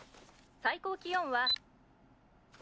最高気温は。